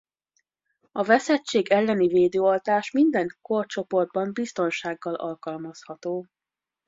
A veszettség elleni védőoltás minden korcsoportban biztonsággal alkalmazható.